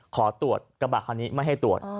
ขอตรวจกระบะคันนี้ไม่ให้ตรวจ